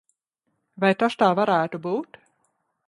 Vai tas tā varētu būt?